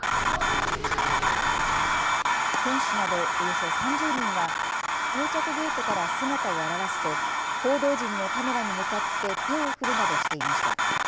選手などおよそ３０人は到着ゲートから姿を現すと報道陣のカメラに向かって手を振るなどしていました。